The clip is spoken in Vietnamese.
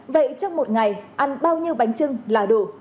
vậy trong một ngày ăn bao nhiêu bánh trưng là đủ